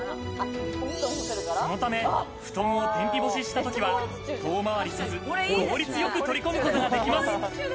そのため、布団を天日干ししたときは遠回りせず、効率よく取り込むことができます。